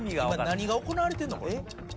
何が行われてんの？